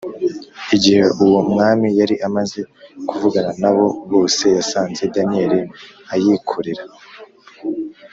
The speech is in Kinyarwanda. Igihe Uwo Mwami Yari Amaze Kuvugana Na Bo Bose Yasanze Daniyeli ayikorera